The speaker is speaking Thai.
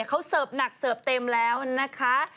เขาเสิร์ฟหนักเสิร์ฟเต็มแล้วนะคะ